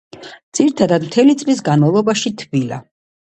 ძირითადად, მთელი წლის განამვლობაში თბილა.